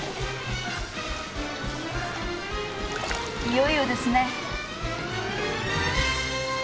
いよいよですね。